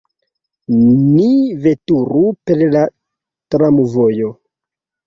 Ni veturu per la tramvojo.